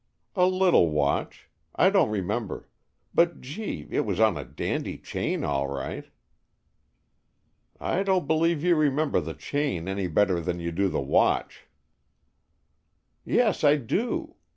"A little watch. I don't remember. But, gee, It was on a dandy chain all right!" "I don't believe you remember the chain any better than you do the watch." "Yes, I do.